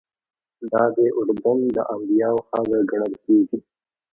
دادی اردن د انبیاوو خاوره ګڼل کېږي.